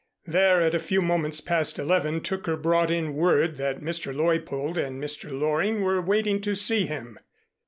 There, at a few moments past eleven, Tooker brought in word that Mr. Leuppold and Mr. Loring were waiting to see him.